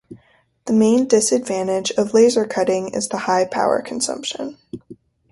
The main disadvantage of laser cutting is the high power consumption.